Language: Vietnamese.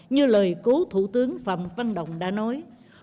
như lời cố thủ tướng phạm văn động đã nói